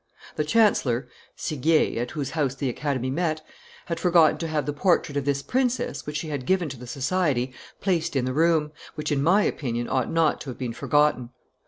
The chancellor [Seguier, at whose house the Academy met] had forgotten to have the portrait of this princess, which she had given to the society, placed in the room; which, in my opinion, ought not to have been forgotten.